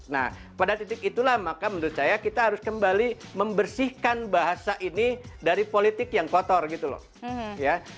nah pada titik itulah maka menurut saya kita harus kembali membersihkan bahasa ini dari politik yang kotor gitu loh